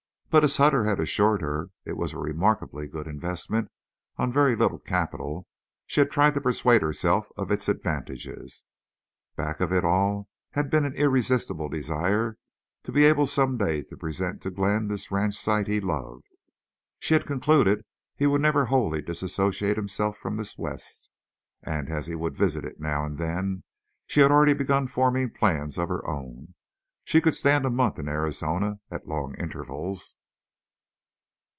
But as Hutter had assured her it was a remarkably good investment on very little capital, she had tried to persuade herself of its advantages. Back of it all had been an irresistible desire to be able some day to present to Glenn this ranch site he loved. She had concluded he would never wholly dissociate himself from this West; and as he would visit it now and then, she had already begun forming plans of her own. She could stand a month in Arizona at long intervals.